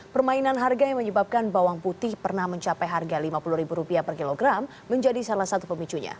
permainan harga yang menyebabkan bawang putih pernah mencapai harga rp lima puluh per kilogram menjadi salah satu pemicunya